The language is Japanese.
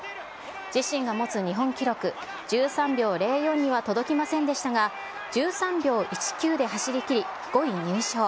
自身が持つ日本記録、１３秒０４には届きませんでしたが、１３秒１９で走りきり、５位入賞。